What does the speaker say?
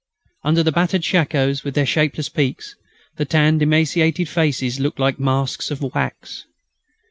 Under the battered shakoes with their shapeless peaks, the tanned and emaciated faces looked like masks of wax.